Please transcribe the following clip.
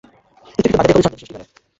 ইচ্ছাকৃত বাধা দিয়েই কবি ছন্দের সৃষ্টি করে।